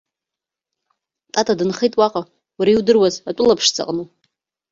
Тата дынхеит уаҟа, уара иудыруаз атәыла ԥшӡаҟны.